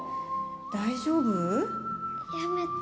大丈夫？